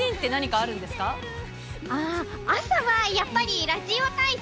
ああ、朝はやっぱりラジオ体ラジオ体操？